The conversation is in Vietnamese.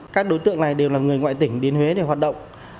các đối tượng này đều là người ngoại tỉnh đến huế để hoạt động